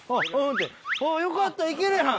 あぁよかった行けるやん！